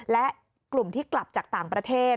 และกลุ่มที่กลับจากต่างประเทศ